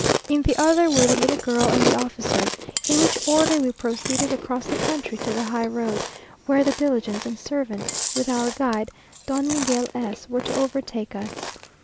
In the other were the little girl and the officers; in which order we proceeded across the country to the high road, where the diligence and servants, with our guide, Don Miguel S , were to overtake us.